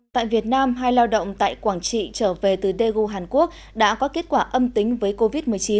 tại việt nam hai lao động tại quảng trị trở về từ daegu hàn quốc đã có kết quả âm tính với covid một mươi chín